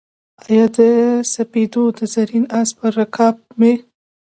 او د سپېدو د زرین آس پر رکاب مې